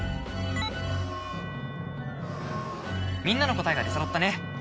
みんなの答えが出そろったね。